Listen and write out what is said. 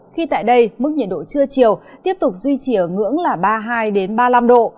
khi tại đây mức nhiệt độ trưa chiều tiếp tục duy trì ở ngưỡng là ba mươi hai ba mươi năm độ